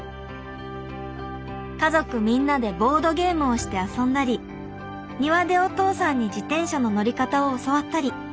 家族みんなでボードゲームをして遊んだり庭でお父さんに自転車の乗り方を教わったり